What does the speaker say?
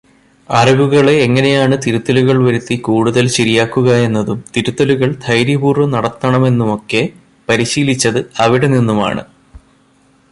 അറിവുകളെ എങ്ങനെയാണ് തിരുത്തലുകൾ വരുത്തി കൂടുതൽ ശരിയാക്കുക എന്നതും, തിരുത്തലുകൾ ധൈര്യപൂർവം നടത്തണമെന്നുമൊക്കെ പരിശീലിച്ചത് അവിടെ നിന്നുമാണ്.